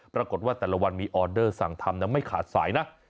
ปรากฏว่าแต่ละวันมีออเดอร์สั่งทำไม่ขาดสายนะ